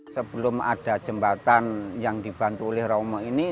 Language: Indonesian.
sebelum ada jembatan yang dibantu oleh romo ini